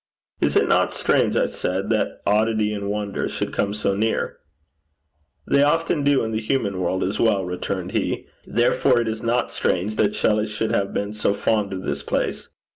'Is it not strange,' I said, 'that oddity and wonder should come so near?' 'They often do in the human world as well,' returned he. 'Therefore it is not strange that Shelley should have been so fond of this place.